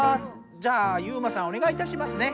じゃあユウマさんおねがいいたしますね。